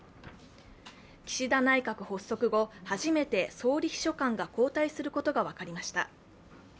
岸田内閣発足後、初めて総理秘書官が交代することが分かりました。